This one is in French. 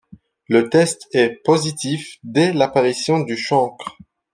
Le test est positif dès l'apparition du chancre.